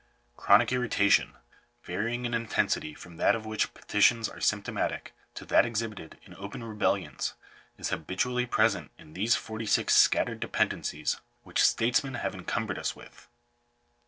Chronic irritation, varying in intensity from that of which petitions are symptomatic, to that exhibited in open rebellions, is habitually present in these forty six scattered dependencies which statesmen have encumbered us with.